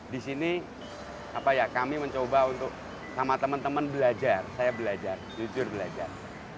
di sini kami mencoba untuk sama teman teman belajar saya belajar jujur belajar